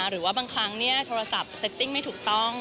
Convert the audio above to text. หรือว่าบางครั้งโทรศัพท์เซตติ้งไม่ถูกต้อง